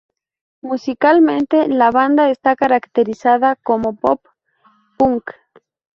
Musicalmente, la banda está caracterizada como pop punk.